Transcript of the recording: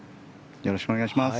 よろしくお願いします。